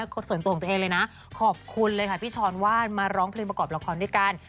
คนส่วนตัวของตัวเองเลยนะขอบคุณเลยค่ะพี่ช้อนว่านมาร้องเพลงประกอบละครด้วยกัน